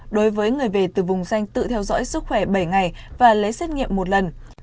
đối với người về từ vùng danh tự theo dõi sức khỏe bảy ngày và lấy xét nghiệm một lần